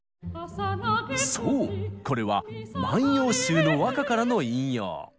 そうこれは「万葉集」の和歌からの引用。